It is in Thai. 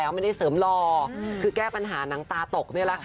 ไม่ได้เสริมรอแก้ปัญหาน้ำตาตก